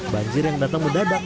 banjir yang datang mendadak